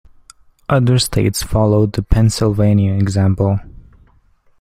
Other states followed the Pennsylvania example.